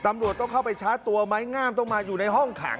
ตำรวจต้องเข้าไปชาร์จตัวไม้งามต้องมาอยู่ในห้องขัง